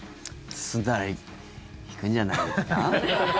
進んだら行くんじゃないですか？